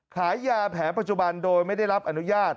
ขายยาแผนปัจจุบันโดยไม่ได้รับอนุญาต